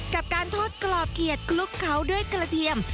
กับการทอดกรอบเขียดคลุกเขาด้วยกระเทียม